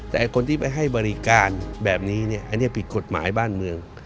แต่คนที่ไปให้บริการแบบนี้เนี่ยอันนี้ผิดกฎหมายบ้านเมือง